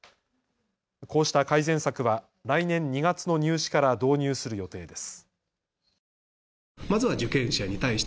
こうした改善策は来年２月の入試から導入する予定です。